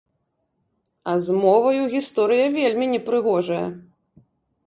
А з моваю гісторыя вельмі непрыгожая!